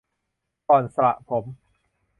ก่อนสระผม